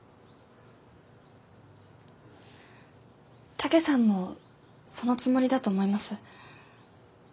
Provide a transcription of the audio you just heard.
武さんもそのつもりだと思います。